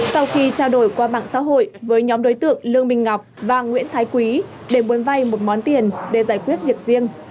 sau khi trao đổi qua mạng xã hội với nhóm đối tượng lương minh ngọc và nguyễn thái quý để muốn vay một món tiền để giải quyết việc riêng